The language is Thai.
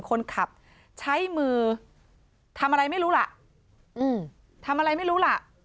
คนขับใช้มือทำอะไรไม่รู้ล่ะทำอะไรไม่รู้ล่ะ